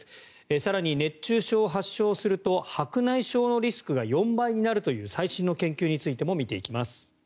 更に、熱中症を発症すると白内障のリスクが４倍になるという最新の研究についても見ていきます。